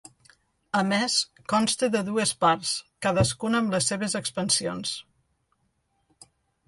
A més, consta de dues parts, cadascuna amb les seves expansions.